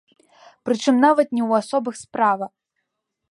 Прычым нават не ў асобах справа.